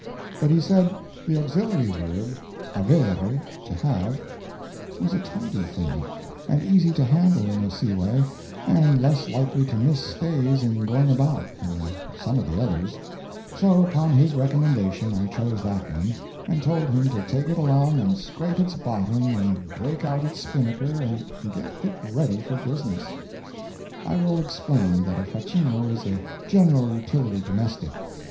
But he said the auxiliary verb avere, to have, was a tidy thing, and easy to handle in a seaway, and less likely to miss stays in going about than some of the others; so, upon his recommendation I chose that one, and told him to take it along and scrape its bottom and break out its spinnaker and get it ready for business. I will explain that a facchino is a general utility domestic.